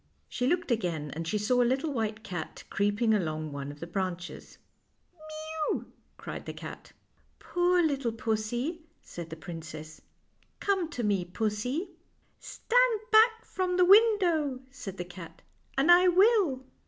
She looked again, and she saw a little white cat creeping along one of the branches. " Mew !" cried the cat " Poor little pussy," said the princess. " Come to me, pussy." " Stand back from the window," said the cat, " and I will."